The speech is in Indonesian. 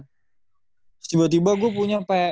terus tiba tiba gue punya playstation berapa ya